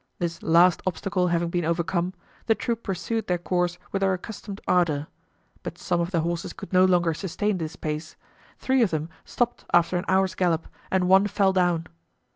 This last obstacle having been overcome, the troop pursued their course with their accustomed ardor; but some of the horses could no longer sustain this pace; three of them stopped after an hour's gallop, and one fell down.